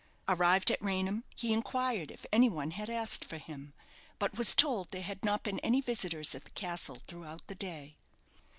Arrived at Raynham, he inquired if any one had asked for him, but was told there had not been any visitors at the castle throughout the day.